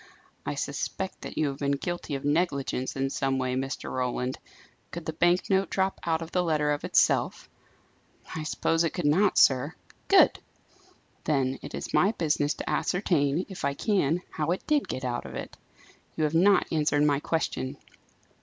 "I suspect that you have been guilty of negligence in some way, Mr. Roland. Could the bank note drop out of the letter of itself?" "I suppose it could not, sir." "Good! Then it is my business to ascertain, if I can, how it did get out of it. You have not answered my question.